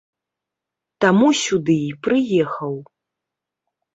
Таму сюды і прыехаў.